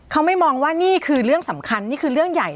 เขาไม่มองว่านี่คือเรื่องสำคัญนี่คือเรื่องใหญ่